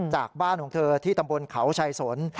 จากบ้านของเธอที่ตำบลเขาชายสน